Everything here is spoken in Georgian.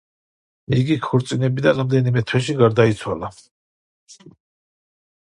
იგი ქორწინებიდან რამდენიმე თვეში გარდაიცვალა.